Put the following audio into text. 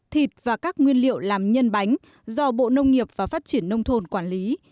thực tế văn nghệ bản lý